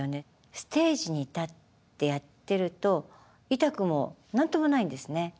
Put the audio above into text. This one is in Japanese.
ステージに立ってやってると痛くも何ともないんですね。